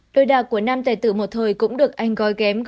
đôi đà của nam tài tử một thời cũng được anh gói ghém gửi qua nhà con trai ông